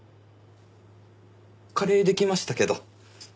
カレーできましたけど。